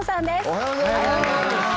おはようございます